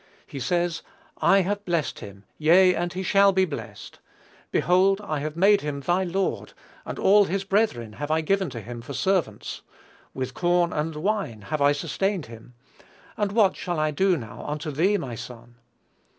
He says, "I have blessed him; yea, and he shall be blessed.... Behold, I have made him thy lord, and all his brethren have I given to him for servants; and with corn and wine have I sustained him; and what shall I do now unto thee, my son?"